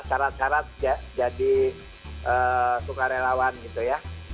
karena jadi sukarelawan gitu ya